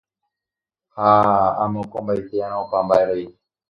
ha amokõmbaite'arã opa mba'erei.